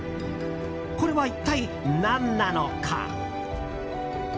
これは一体何なのか？